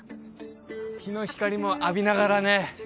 日の光も浴びながらね